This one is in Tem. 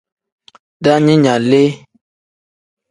Daaninga lee.